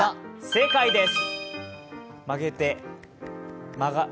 正解です。